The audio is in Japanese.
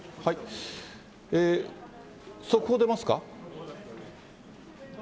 速報出ますか。